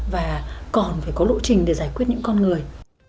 và còn phải có lộ trình để giải quyết những con người